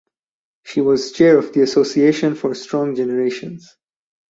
She was Chair of the "Association for Strong Generations".